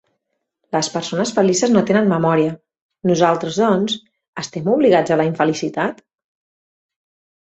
Les persones felices no tenen memòria; nosaltres, doncs, estem obligats a la infelicitat...?